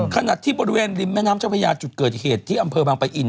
ขณะที่บริเวณริมแม่น้ำเจ้าพระยาจุดเกิดเหตุที่อำเภอบางปะอิน